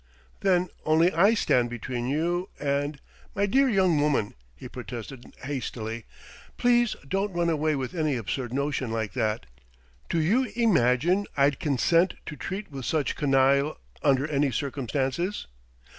"Then only I stand between you and " "My dear young woman!" he protested hastily. "Please don't run away with any absurd notion like that. Do you imagine I'd consent to treat with such canaille under any circumstances?"